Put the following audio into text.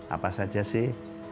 apa saja sih